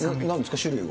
種類は。